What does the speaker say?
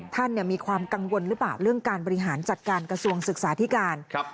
ท่านมีความกังวลหรือเปล่าเรื่องการบริหารจัดการกระทรวงศึกษาธิการ